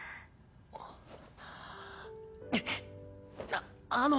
ああの。